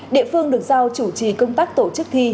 địa phương được giao chủ trì công tác tổ chức thi